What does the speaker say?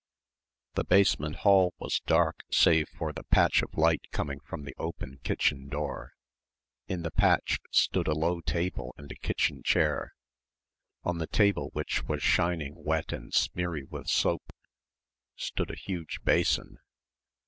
The basement hall was dark save for the patch of light coming from the open kitchen door. In the patch stood a low table and a kitchen chair. On the table which was shining wet and smeary with soap, stood a huge basin.